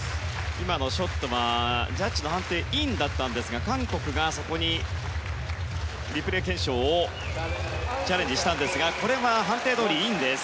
今のショットはジャッジの判定はインでしたが韓国がそこにリプレイ検証をチャレンジしたんですがこれは判定どおり、インです。